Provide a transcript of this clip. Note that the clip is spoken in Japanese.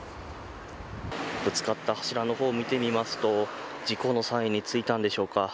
ぶつかった柱のほうを見てみますと事故の際についたんでしょうか。